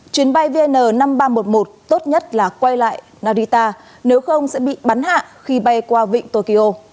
chuyến bay vn năm nghìn ba trăm một mươi một tốt nhất là quay lại narita nếu không sẽ bị bắn hạ khi bay qua vịnh tokyo